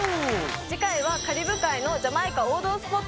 次回はカリブ海のジャマイカ王道スポット